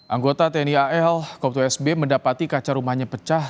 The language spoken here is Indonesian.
anggota tni al koptu sb mendapati kaca rumahnya pecah